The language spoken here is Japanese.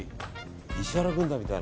石原軍団みたいな。